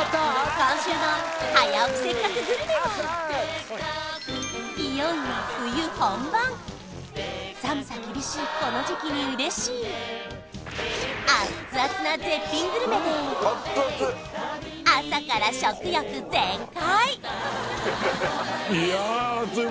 今週の「早起きせっかくグルメ！！」はいよいよ冬本番寒さ厳しいこの時期にうれしいアッツアツな絶品グルメで朝から食欲全開！